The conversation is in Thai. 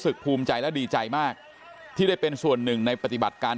ภูมิใจและดีใจมากที่ได้เป็นส่วนหนึ่งในปฏิบัติการ